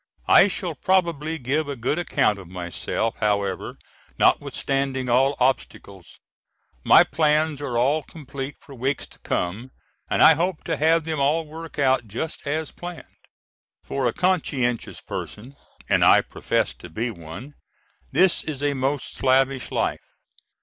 I shall probably give a good account of myself however notwithstanding all obstacles. My plans are all complete for weeks to come and I hope to have them all work out just as planned. For a conscientious person, and I profess to be one, this is a most slavish life.